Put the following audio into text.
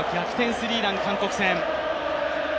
スリーラン、韓国戦。